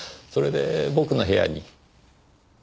それで僕の部屋に。